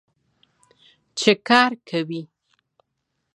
چې کار کوي.